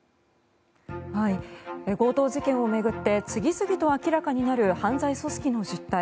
強盗事件を巡って次々と明らかになる犯罪組織の実態。